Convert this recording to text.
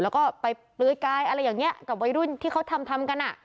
กับวัยรุ่นที่เขาทำกัน